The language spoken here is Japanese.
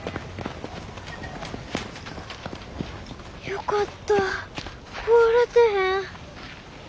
よかった壊れてへん。